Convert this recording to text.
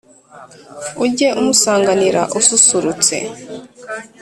ujye umusanganira ususurutse